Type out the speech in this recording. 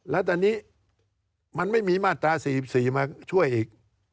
แล้วตอนนี้มันไม่มีมาตรา๔๔มาช่วยอีก